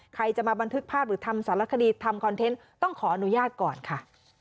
ใครจะมาบันทึกภาพหรือทำสารคดีทำคอนเทนต์ต้องขออนุญาตก่อนค่ะ